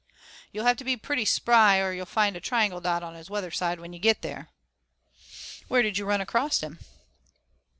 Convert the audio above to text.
"You'll have to be pretty spry or you'll find a 'triangle dot' on his weather side when you get there." "Where did you run across him?"